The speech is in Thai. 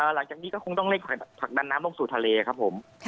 หลังจากนี้ก็คงต้องเร่งผลักดันน้ำลงสู่ทะเลครับผม